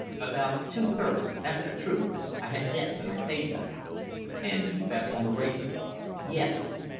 "About two thirds that's the truth. I had debts, and I paid them." "And you bet on the races?" "Yes."